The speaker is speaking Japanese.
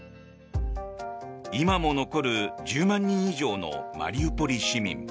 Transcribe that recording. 今も残る１０万人以上のマリウポリ市民。